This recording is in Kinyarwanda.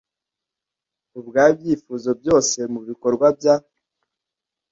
ubwayo ibyifuzo byose mubikorwa bya